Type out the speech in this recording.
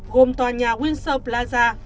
gồm tòa nhà windsor plaza